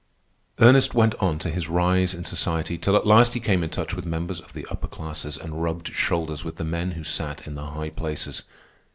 Ernest went on to his rise in society, till at last he came in touch with members of the upper classes, and rubbed shoulders with the men who sat in the high places.